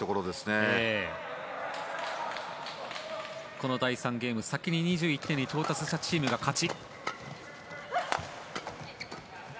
この第３ゲーム先に２１点に到達したチームが勝ち。